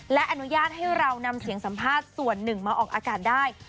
และอนุญาตให้เรานำเสียงสัมภาษณ์ส่วนหนึ่งมาออกอากาศได้